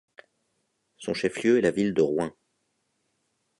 Son chef-lieu est la ville de Roing.